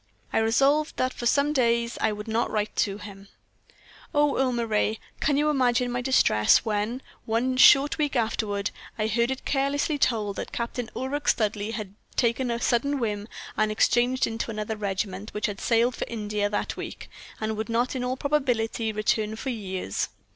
I resolved that for some days I would not write to him. "Oh, Earle Moray! can you imagine my distress when, one short week afterward, I heard it carelessly told that Captain Ulric Studleigh had taken a sudden whim, and had exchanged into another regiment, which had sailed for India that week, and would not in all probability return for years.